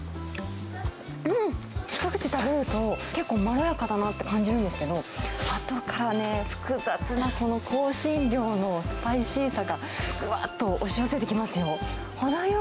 うん、一口食べると結構、まろやかだなって感じるんですけど、あとからね、複雑なこの香辛料のスパイシーさがうわっと押し寄せてきますよ。